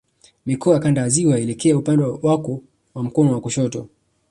Mikoa ya Kanda ya Ziwa elekea upande wako wa mkono wa kushoto